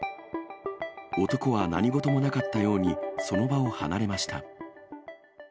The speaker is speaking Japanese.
男は何事もなかったようにその場を離れました。